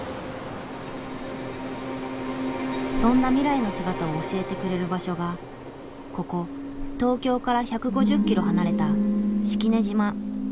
そんな未来の姿を教えてくれる場所がここ東京から１５０キロ離れた式根島。